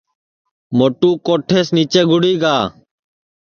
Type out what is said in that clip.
موٹو کوٹھیس نیچے گُڑی گا